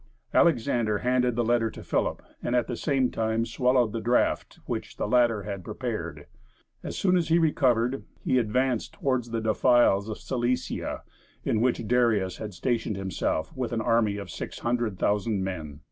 Alexander handed the letter to Philip, and at the same time swallowed the draught which the latter had prepared. As soon as he recovered, he advanced toward the defiles of Cilicia, in which Darius had stationed himself with an army of 600,000 men.